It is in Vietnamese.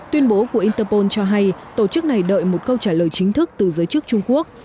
tuyên bố của interpol cho hay tổ chức này đợi một câu trả lời chính thức từ giới chức trung quốc